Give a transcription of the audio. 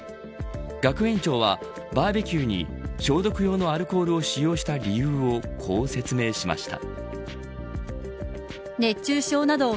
学園長は、バーベキューに消毒用のアルコールを使用した理由をこう説明しました。